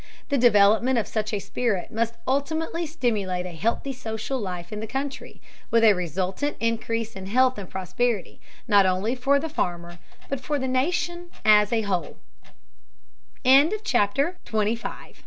The development of such a spirit must ultimately stimulate a healthy social life in the country, with a resultant increase in health and prosperity, not only for the farmer but for the nation as a whole. QUESTIONS ON THE TEXT 1.